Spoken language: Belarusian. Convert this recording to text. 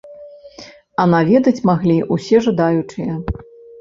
А на ведаць маглі ўсе жадаючыя.